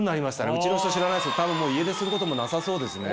うちの人知らないですけど多分家出することもなさそうですね。